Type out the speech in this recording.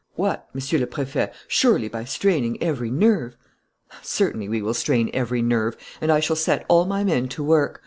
"What, Monsieur le Préfet? Surely, by straining every nerve " "Certainly, we will strain every nerve; and I shall set all my men to work.